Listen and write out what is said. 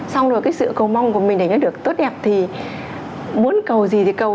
xong rồi cái sự cầu mong của mình để nó được tốt đẹp thì muốn cầu gì thì cầu